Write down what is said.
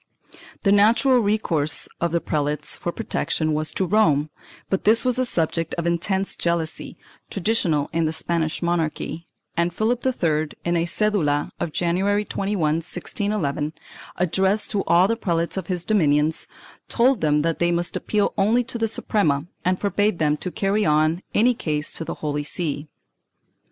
The natural recourse of the prelates for protection was to Rome, but this was a subject of intense jealousy, traditional in the Spanish monarchy, and Philip III, in a cedula of January 21, 1611, addressed to all the prelates of his dominions, told them that they must appeal only to the Suprema and forbade them to carry any case to the Holy See.